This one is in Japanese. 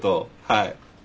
はい。